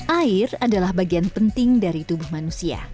air adalah bagian penting dari tubuh manusia